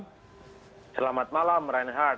selamat malam reinhard